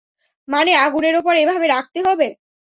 মানে আগুনের উপর এভাবে রাখতে হবে?